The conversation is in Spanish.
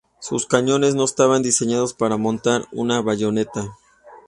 Sus cañones no estaban diseñados para montar una bayoneta.